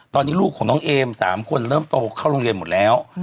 ตอนนี้ลูกของน้องเอม๓คนเริ่มโตเข้าโรงเรียนหมดแล้ว